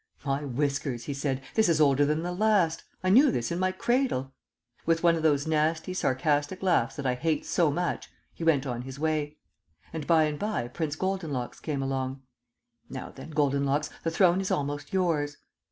"My whiskers!" he said, "this is older than the last. I knew this in my cradle." With one of those nasty sarcastic laughs that I hate so much he went on his way; and by and by Prince Goldenlocks came along. (Now then, Goldenlocks, the throne is almost yours!)